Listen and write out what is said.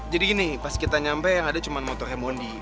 jadi gini pas kita nyampe yang ada cuma motornya bondi